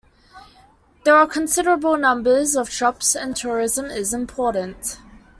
There are considerable numbers of shops, and tourism is important.